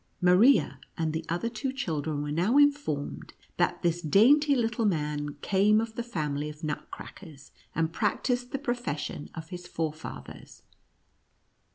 Maria and the other two children were now informed that this dainty little man came of the family of Nutcrackers, and practised the profession of his forefathers.